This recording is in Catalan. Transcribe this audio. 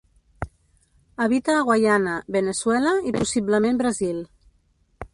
Habita a Guyana, Veneçuela, i possiblement Brasil.